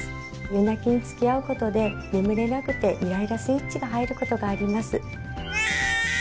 夜泣きにつきあうことで眠れなくてイライラスイッチが入ることがあります。